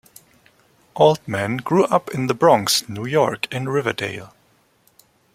Altman grew up in the Bronx, New York, in Riverdale.